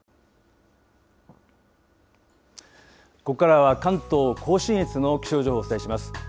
ここからは、関東甲信越の気象情報をお伝えします。